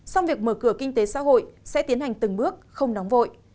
song việc mở cửa kinh tế xã hội sẽ tiến hành từng bước không nóng vội